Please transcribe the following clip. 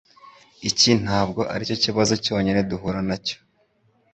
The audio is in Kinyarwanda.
Iki ntabwo aricyo kibazo cyonyine duhura nacyo.